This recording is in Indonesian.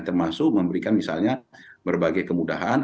termasuk memberikan misalnya berbagai kemudahan